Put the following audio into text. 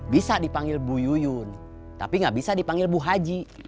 bisa dipanggil bu yuyun tapi nggak bisa dipanggil bu haji